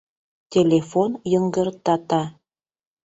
Телефон йыҥгыртата.